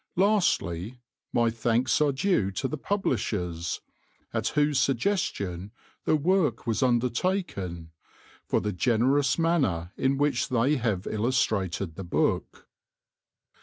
Lastly, my thanks are due to the publishers at whose suggestion the work was undertaken for the generous manner in which they have illustrated the book.